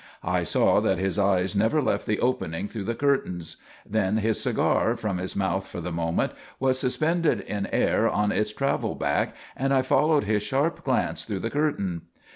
I saw that his eyes never left the opening through the curtains. Then his cigar, from his mouth for the moment, was suspended in air on its travel back and I followed his sharp glance through the curtain.